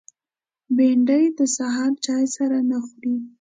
بېنډۍ د سهار چای سره نه خوري